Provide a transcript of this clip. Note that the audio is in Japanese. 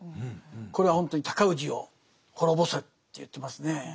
これはほんとに尊氏を滅ぼせと言ってますね。